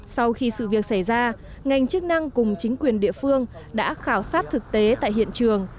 sau khi sự việc xảy ra ngành chức năng cùng chính quyền địa phương đã khảo sát thực tế tại hiện trường